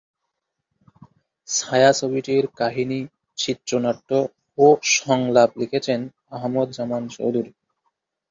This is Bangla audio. ছায়াছবিটির কাহিনী, চিত্রনাট্য ও সংলাপ লিখেছেন আহমদ জামান চৌধুরী।